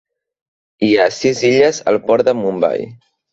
Hi ha sis illes al port de Mumbai.